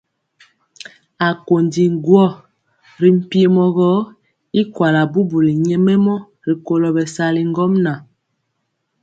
Akondi guo ri mpiemɔ gɔ y kuala bubuli nyɛmemɔ rikolo bɛsali ŋgomnaŋ.